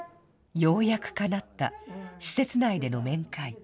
ようやくかなった、施設内での面会。